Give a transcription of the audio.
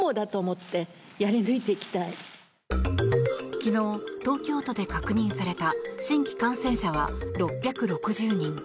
昨日、東京都で確認された新規感染者は６６０人。